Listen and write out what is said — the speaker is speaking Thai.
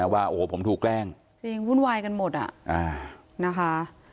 ว่าโอ้โหผมถูกแกล้งจริงวุ่นวายกันหมดอ่ะนะคะ